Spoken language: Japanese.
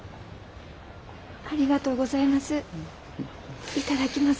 ありがとうございます。